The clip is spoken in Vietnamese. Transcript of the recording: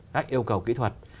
các yêu cầu kỹ thuật